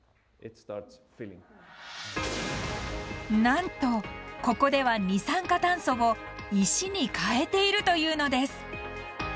なんとここでは二酸化炭素を石に変えているというのです。